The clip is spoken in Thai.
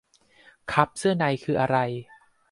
คัพเสื้อในคืออะไร